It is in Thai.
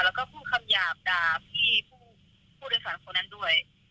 แล้วก็พูดคำหยาบด่าพี่ผู้โดยสารคนนั้นด้วย